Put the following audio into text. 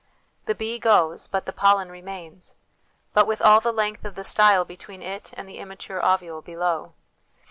The bee goes, but the pollen remains, but with all the length of the style between it and the immature ovule below.